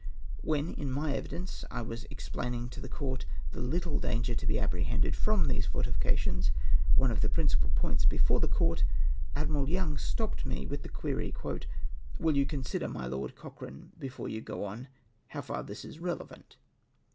When, in my evidence, I was explaining to the Court the little danger to be apprehended from these fortifications — one of the principal points before the Court, Admiral Young stopped me with the query, '' AYiU 3'ou consider, my Lord Cochrane, before you go on, now FAR THIS IS RELEVAA^T